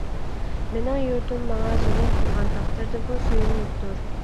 مېنىڭ يۇرتۇم ماڭا زۇلۇم قىلغان تەقدىردىمۇ سۆيۈملۈكتۇر.